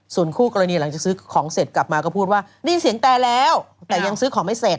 ส่วนคู่กรณีหลังจากซื้อของเสร็จกลับมาก็พูดว่าได้ยินเสียงแตรแล้วแต่ยังซื้อของไม่เสร็จ